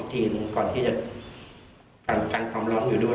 จริงก่อนที่จะการความร้อนอยู่ด้วย